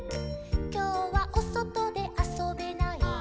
「きょうはおそとであそべない」「」